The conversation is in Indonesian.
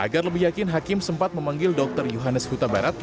agar lebih yakin hakim sempat memanggil dokter yohanes kutabarat